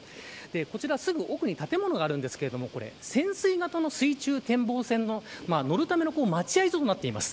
こちら、すごく奥に建物があるんですが潜水型の水中展望船に乗るための待合所となっています。